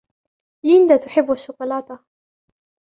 ليندا تحب الشوكولاتة.